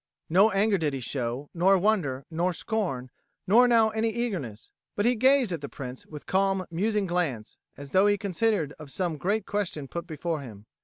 No anger did he show, nor wonder, nor scorn, nor now any eagerness; but he gazed at the Prince with calm musing glance, as though he considered of some great question put before him.